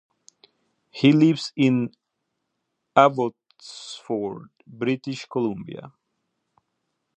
He lives in Abbotsford, British Columbia.